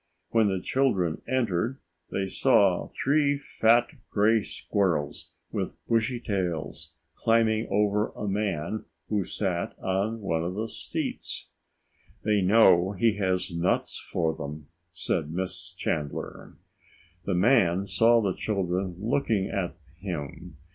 When the children entered, they saw three fat gray squirrels with bushy tails climbing over a man who sat on one of the seats. "They know he has nuts for them," said Miss Chandler. The man saw the children looking at him.